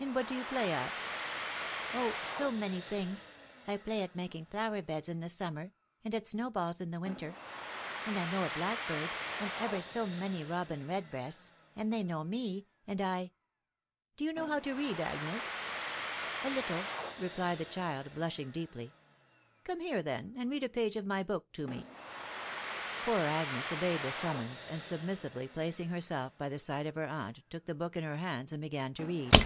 " And what do you play at ?"— e( Oh I so many things. I play at making flower beds in the summer, and at snow balls in the winter ; and I know a blackbird, and ever so many robin redbreasts, and they know me, and I ...."." Do you know how to read, Agnes ?"— "A little," .... replied the child, blushing deeply. " Come here, then, and read a page of my book to me." Poor Agnes obeyed the summons, and submissively placing herself by the side of her aunt, took the btok in her hands and began to read.